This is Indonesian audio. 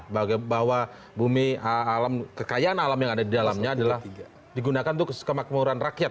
bahwa bumi alam kekayaan alam yang ada di dalamnya adalah digunakan untuk kemakmuran rakyat